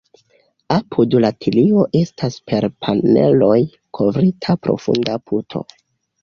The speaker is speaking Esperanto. Apud la tilio estas per paneloj kovrita profunda puto.